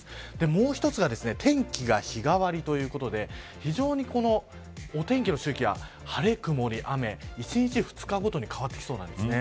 もう一つが天気が日替わりということで非常にお天気の周期が晴れ、曇、雨、１日、２日ごとに変わってきそうなんです。